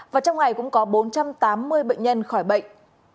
và trong ngày cũng có bốn trăm tám mươi bệnh nhân khỏi bệnh